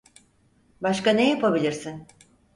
Başka ne yapabilirsin?